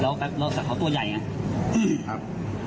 แล้วแป๊บเราสักเขาตัวใหญ่ไงครับ